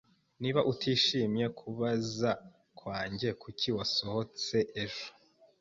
Niba utishimiye kubaza kwanjye, kuki wasohotse ejo?